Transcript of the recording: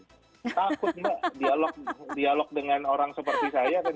takut mbak dialog dengan orang seperti saya